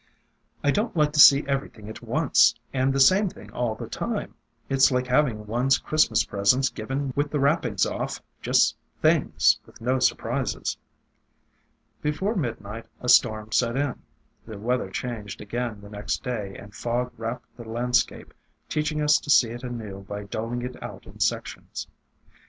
"I don't like to see everything at once, and the same thing all the time. It 's like having one's Christmas presents given with the wrappings off,— just things, with no surprises." Before midnight a storm set in. The weather changed again the next day, and fog wrapped the land AFTERMATH 325 scape, teaching us to see it anew by doling it out in sections.